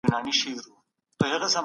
خو پښتو ژبه لا ژوندۍ ده، دا حیرانونکي ده.